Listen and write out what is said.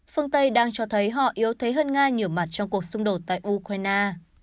phương tây đang cho thấy họ yếu thế hơn nga nhiều mặt trong cuộc xung đột tại ukraine